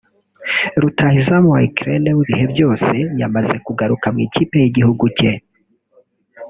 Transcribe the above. rutahizamu wa Ukrain w’ibihe byose yamaze kugaruka mu ikipe y’igihugu cye